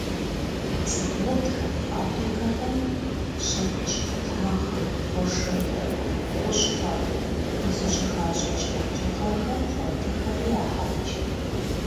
Заводхэм, фабрикэхэм щэкӀ, дагъэ, фошыгъу, хущхъуэ къызыщыхащӀыкӀ къэкӀыгъэхэм хуэдэхэри ягъэкӀ.